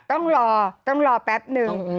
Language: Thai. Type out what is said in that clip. ต้องรอต้องรอแป๊บนึง